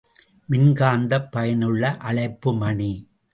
மின்காந்தப் பயனுள்ள அழைப்பு மணி.